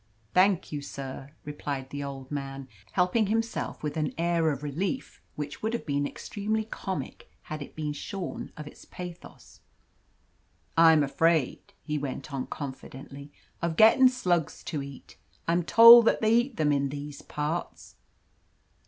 "Thank you, sir," replied the old man, helping himself with an air of relief which would have been extremely comic had it been shorn of its pathos. "I am afraid," he went on confidentially, "of gettin' slugs to eat. I'm told that they eat them in these parts."